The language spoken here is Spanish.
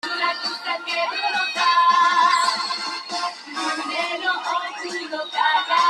Florece de julio a agosto.